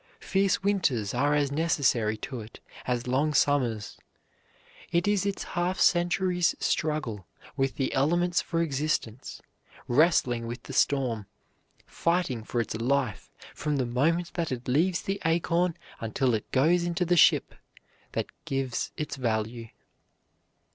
Fierce winters are as necessary to it as long summers. It is its half century's struggle with the elements for existence, wrestling with the storm, fighting for its life from the moment that it leaves the acorn until it goes into the ship, that gives it value.